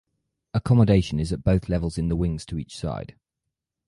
Accommodation is at both levels in the wings to each side.